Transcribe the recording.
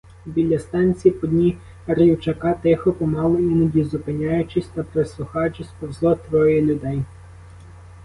Біля станції по дні рівчака тихо, помалу, іноді зупиняючись та прислухаючись, повзло троє людей.